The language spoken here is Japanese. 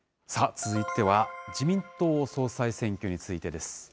続いては、自民党総裁選挙についてです。